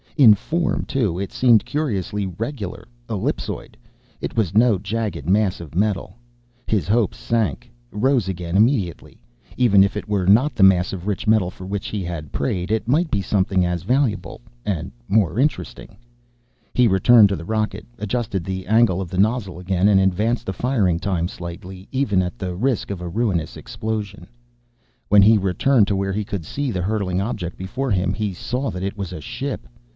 In form, too, it seemed curiously regular, ellipsoid. It was no jagged mass of metal. His hopes sank, rose again immediately. Even if it were not the mass of rich metal for which he had prayed, it might be something as valuable and more interesting. He returned to the rocket, adjusted the angle of the nozzle again, and advanced the firing time slightly, even at the risk of a ruinous explosion. When he returned to where he could see the hurtling object before him, he saw that it was a ship.